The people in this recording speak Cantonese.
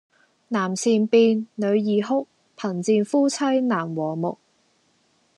男善變，女易哭，貧賤夫妻難和睦